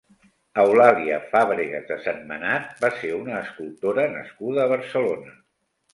Eulàlia Fàbregas de Sentmenat va ser una escultora nascuda a Barcelona.